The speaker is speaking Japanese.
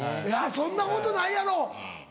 いやそんなことないやろ。